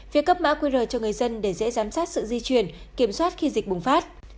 việc cấp mã qr cho người dân để dễ giám sát sự di chuyển kiểm soát khi dịch bùng phát